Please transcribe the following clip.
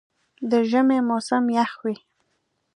د ژمي موسم یخ وي.